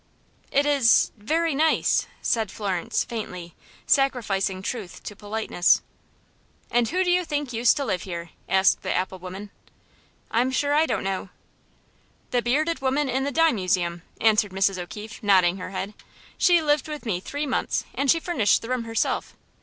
"It is very nice," said Florence, faintly, sacrificing truth to politeness. "And who do you think used to live here?" asked the apple woman. "I'm sure I don't know." "The bearded woman in the dime museum," answered Mrs. O'Keefe, nodding her head. "She lived with me three months, and she furnished the room herself.